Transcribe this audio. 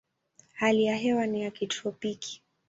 Hali ya hewa ni ya kitropiki.